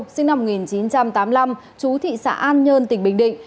sinh năm một nghìn chín trăm tám mươi năm chú thị xã an nhơn tỉnh bình định